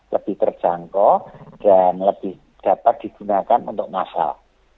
lebih terjangkau dan lebih dapat digunakan untuk masal